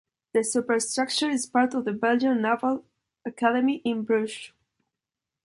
The superstructure is part of the Belgian Naval Academy in Brugge.